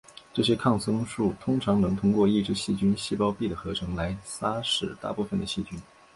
这些抗生素通常能通过抑制细菌细胞壁的合成来杀死大部分的细菌。